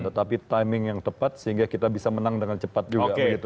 tetapi timing yang tepat sehingga kita bisa menang dengan cepat juga begitu